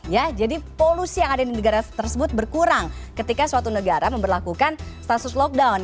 ya jadi polusi yang ada di negara tersebut berkurang ketika suatu negara memperlakukan status lockdown